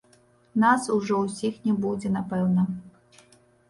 Нас ужо ўсіх не будзе, напэўна.